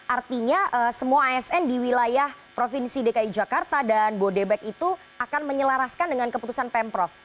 artinya semua asn di wilayah provinsi dki jakarta dan bodebek itu akan menyelaraskan dengan keputusan pemprov